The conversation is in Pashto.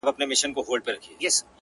د گور شپه نه پر کور کېږي.